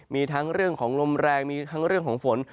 มีทั้งเรื่องของลมแรงมีทั้งเรื่องของฝน